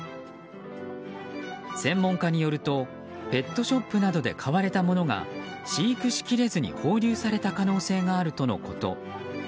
専門家によるとペットショップなどで買われたものが、飼育しきれずに放流された可能性があるとのこと。